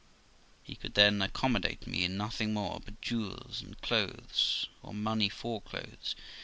He could, then, accommodate me in nothing more but jewels and clothes, or money for clothes.